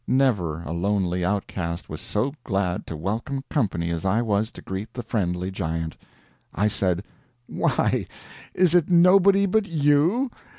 Never a lonely outcast was so glad to welcome company as I was to greet the friendly giant. I said: "Why, is it nobody but you?